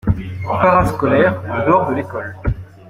Parascolaire : en dehors de l’école.